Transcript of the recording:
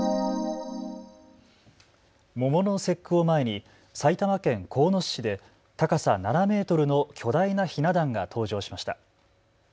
桃の節句を前に埼玉県鴻巣市で高さ７メートルの巨大なひな壇が登場しました。